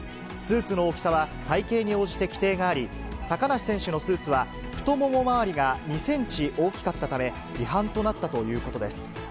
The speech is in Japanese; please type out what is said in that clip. スーツの大きさは体形に応じて規定があり、高梨選手のスーツは、太もも回りが２センチ大きかったため、違反となったということです。